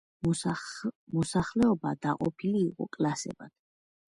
მოსახლეობა დაყოფილი იყო კლასებად.